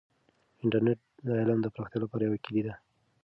انټرنیټ د علم د پراختیا لپاره یوه کیلي ده.